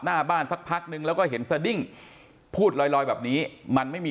หน้าบ้านสักพักนึงแล้วก็เห็นสดิ้งพูดลอยแบบนี้มันไม่มี